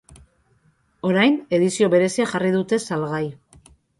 Orain edizio berezia jarri dute salgai.